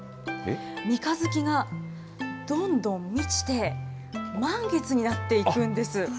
三日月がどんどん満ちて、満月になっていくんです。